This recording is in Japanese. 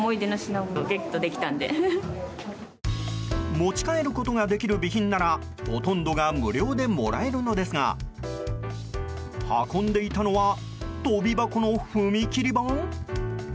持ち帰ることができる備品ならほとんどが無料でもらえるのですが運んでいたのは跳び箱の踏み切り板？